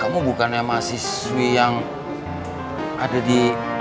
kamu bukannya mahasiswi yang ada di